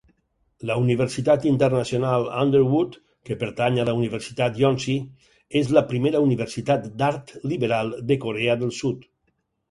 La Universitat internacional Underwood que pertany a la Universitat Yonsei és la primera universitat d'art liberal de corea del Sud.